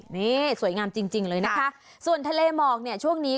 นี่สวยงามจริงเลยนะคะส่วนทะเลหมอกเนี่ยช่วงนี้